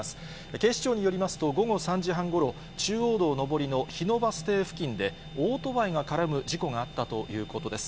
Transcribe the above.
警視庁によりますと、午後３時半ごろ、中央道上りの日野バス停付近で、オートバイが絡む事故があったということです。